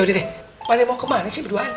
ya udah deh pada mau kemana sih berduaan